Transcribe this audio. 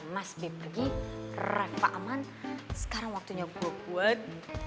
mas bip pergi refah aman sekarang waktunya buat buat